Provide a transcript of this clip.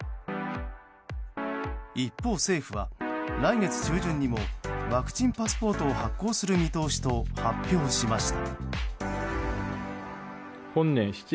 一方、政府は来月中旬にもワクチンパスポートを発行する見通しと発表しました。